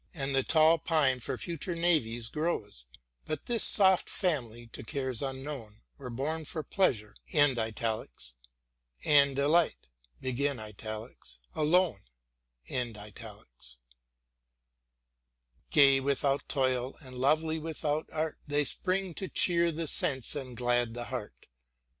And the tall fine for future navies grows ; But this soft family, to cares unknown. Were bom for pleasure and delight alone. Gay without toil and lovely without art, They spring to cheer the sense and glad the heart.